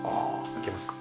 開けますか？